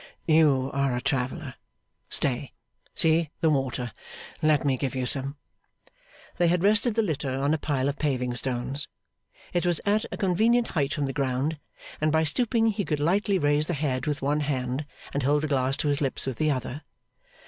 'You are a traveller! Stay! See, the water! Let me give you some.' They had rested the litter on a pile of paving stones. It was at a convenient height from the ground, and by stooping he could lightly raise the head with one hand and hold the glass to his lips with the other.